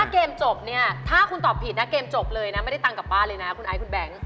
เกมจบเนี่ยถ้าคุณตอบผิดนะเกมจบเลยนะไม่ได้ตังค์กับป้าเลยนะคุณไอซ์คุณแบงค์